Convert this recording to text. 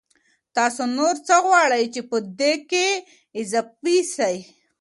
تاسو نور څه غواړئ چي پدې کي اضافه سي؟